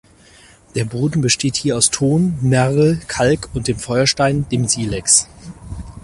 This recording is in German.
Der Boden besteht hier aus Ton, Mergel, Kalk und dem Feuerstein, dem Silex.